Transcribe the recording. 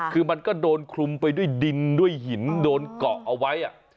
คือมันก็โดนคลุมไปด้วยดินด้วยหินโดนเกาะเอาไว้